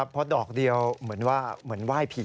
เพราะดอกเดียวเหมือนว่าเหมือนไหว้ผี